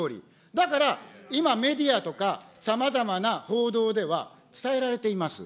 だから、今、メディアとかさまざまな報道では、伝えられています。